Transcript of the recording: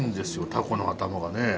タコの頭がね。